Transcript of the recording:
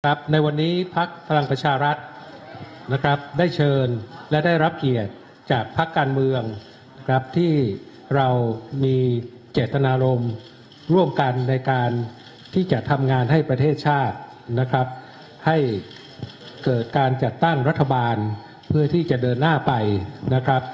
ในวันนี้พักพลังประชารัฐนะครับได้เชิญและได้รับเกียรติจากพักการเมืองนะครับที่เรามีเจตนารมณ์ร่วมกันในการที่จะทำงานให้ประเทศชาตินะครับให้เกิดการจัดตั้งรัฐบาลเพื่อที่จะเดินหน้าไปนะครับ